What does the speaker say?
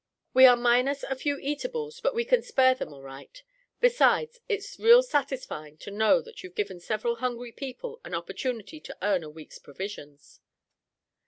"We are minus a few eatables but we can spare them all right. Besides, it's real satisfying to know that you've given several hungry people an opportunity to earn a week's provisions."